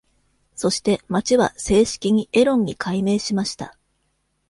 そして町は正式にエロンに改名しました。